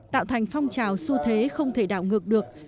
tạo thành phong trào su thế không thể đảo ngược được